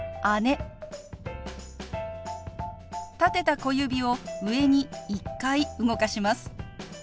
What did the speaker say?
立てた小指を上に１回動かします。